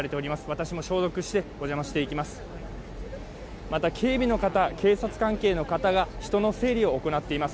私も消毒してお邪魔していきます。